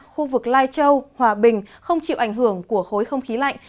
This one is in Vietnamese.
khu vực lai châu hòa bình không chịu ảnh hưởng của khối không khí lạnh